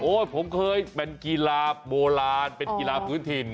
ผมเคยเป็นกีฬาโบราณเป็นกีฬาพื้นถิ่น